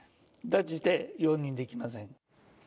断じて容認できません。